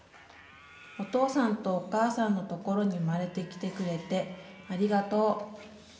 お父さんとお母さんのところに産まれてきてくれてありがとう。